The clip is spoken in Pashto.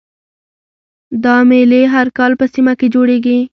دا میلې هر کال په سیمه کې جوړیږي